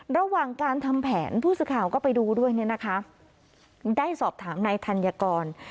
ระหว่างการทำแผนผู้สื่อข่าวก็ไปดูด้วยเนี่ยนะคะได้สอบถามนายธัญกร